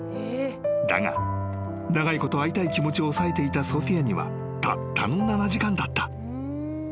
［だが長いこと会いたい気持ちを抑えていたソフィアにはたったの７時間だった］